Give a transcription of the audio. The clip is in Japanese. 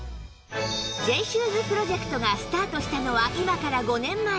Ｊ シューズプロジェクトがスタートしたのは今から５年前